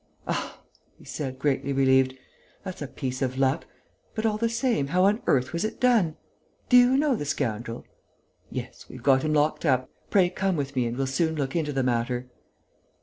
"Ah," he said, greatly relieved, "that's a piece of luck!... But, all the same, how on earth was it done?... Do you know the scoundrel?" "Yes, we've got him locked up. Pray come with me and we'll soon look into the matter."